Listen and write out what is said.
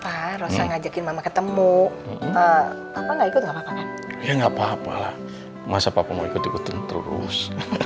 pak rosa ngajakin mama ketemu apa apa ya nggak papa masa papa mau ikut ikutan terus